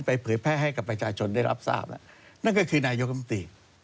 ไปเผยแพร่ให้กับประชาชนได้รับทราบนั่นก็คือนายกมติ